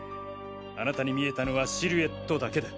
あなたに見えたのはシルエットだけだ。